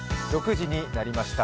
６時になりました